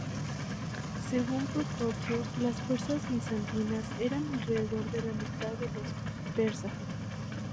Según Procopio, las fuerzas bizantinas eran alrededor de la mitad que los persas.